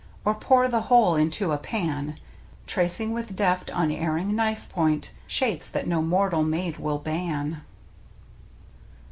Or pour the whole into a pan. Tracing with deft, unerring knife point Shapes that no mortal maid will ban.